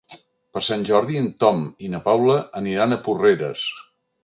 Per Sant Jordi en Tom i na Paula aniran a Porreres.